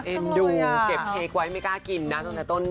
เอ็นดูเก็บเค้กไว้ไม่กล้ากินนะตั้งแต่ต้น